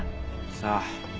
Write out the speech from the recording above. さあ。